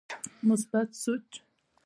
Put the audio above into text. مثبت سوچ